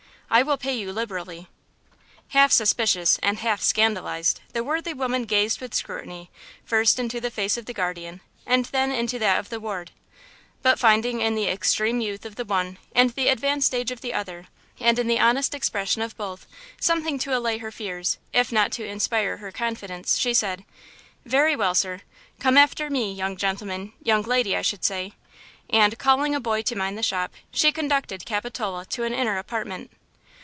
I will pay you liberally." Half suspicious and half scandalized, the worthy woman gazed with scrutiny first into the face of the guardian and then into that of the ward; but finding in the extreme youth of the one and the advanced age of the other, and in the honest expression of both, something to allay her fears, if not to inspire her confidence, she said: "Very well, sir. Come after me, young gentleman–young lady, I should say." And, calling a boy to mind the shop, she conducted Capitola to an inner apartment.